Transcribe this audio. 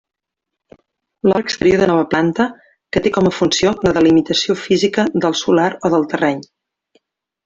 L'obra exterior de nova planta, que té com a funció la delimitació física del solar o del terreny.